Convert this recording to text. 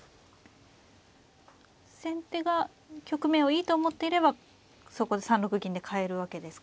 先手が局面をいいと思っていればそこで３六銀で変えるわけですか。